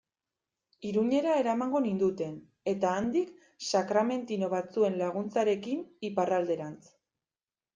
Iruñera eramango ninduten, eta handik, sakramentino batzuen laguntzarekin, Iparralderantz.